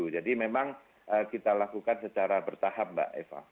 jadi memang kita lakukan secara bertahap mbak eva